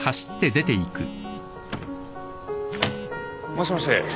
もしもし。